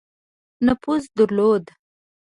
نفوذ درلود.